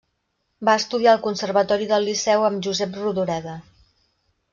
Va estudiar al conservatori del Liceu amb Josep Rodoreda.